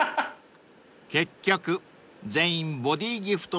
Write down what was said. ［結局全員ボディギフト